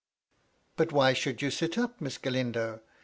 "But why should you sit up. Miss Galindo?